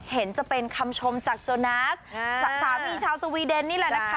เห็นจะเป็นคำชมจากโจนัสสามีชาวสวีเดนนี่แหละนะคะ